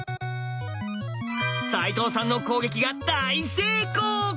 齋藤さんの攻撃が大成功！